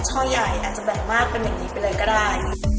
ช่อใหญ่อาจจะแบ่งมากมากไปเป็นตัวเนี่ยไปเลยก็ได้